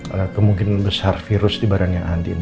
agak kemungkinan besar virus di badannya andin